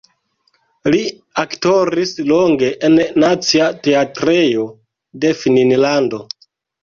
Li aktoris longe en nacia teatrejo de Finnlando.